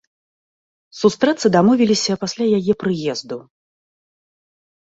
Сустрэцца дамовіліся пасля яе прыезду.